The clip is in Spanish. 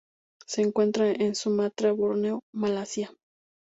Se encuentra en Sumatra, Borneo y Malasia.